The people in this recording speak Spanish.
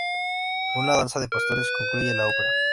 Una danza de pastores concluye la ópera.